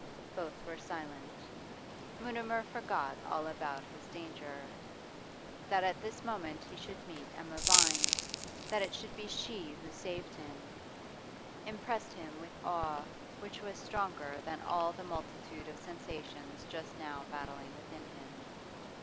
Both were silent. Mutimer forgot all about his danger; that at this moment he should meet Emma Vine, that it should be she who saved him, impressed him with awe which was stronger than all the multitude of sensations just now battling within him.